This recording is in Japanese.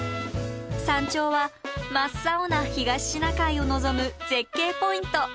山頂は真っ青な東シナ海を望む絶景ポイント。